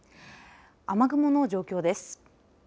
雨雲の状況です。